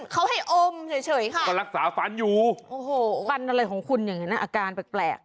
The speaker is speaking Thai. เขาให้อมเฉยค่ะโอ้โหฟันอะไรของคุณอย่างนี้นะอาการแปลก